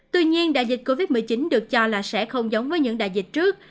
tuy nhiên đại dịch covid một mươi chín được cho là sẽ không giống với những đại dịch trước